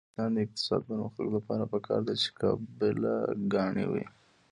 د افغانستان د اقتصادي پرمختګ لپاره پکار ده چې قابله ګانې وي.